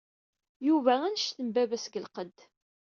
Yuba anect n baba-s deg lqedd.